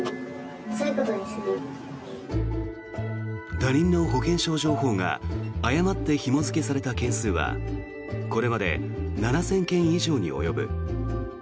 他人の保険証情報が誤ってひも付けされた件数はこれまで７０００件以上に及ぶ。